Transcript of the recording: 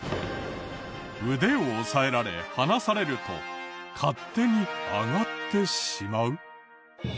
腕を押さえられ離されると勝手に上がってしまう！？